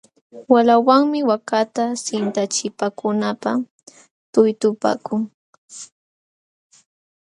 Waqlawanmi waakata sintachipaakunanpaq tuytupaakun.